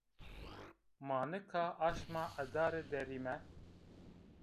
Ma nika aşma adare der îme